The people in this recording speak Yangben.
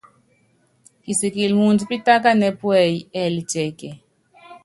Kisikili muundɔ pitákanɛ́ puɛ́yí, ɛɛlɛ tiɛkiɛ?